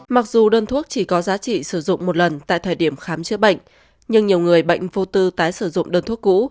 mặc dù đơn thuốc chỉ có giá trị sử dụng một lần tại thời điểm khám chữa bệnh nhưng nhiều người bệnh vô tư tái sử dụng đơn thuốc cũ